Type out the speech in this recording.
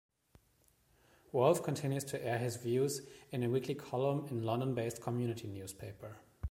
Wolf continues to air his views in a weekly column in London-based community newspaper.